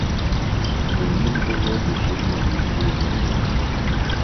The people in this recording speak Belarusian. У ім было зусім маленькае дзіця.